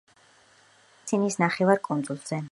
მოქცეულია სინის ნახევარკუნძულზე.